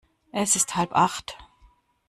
Es ist halb acht.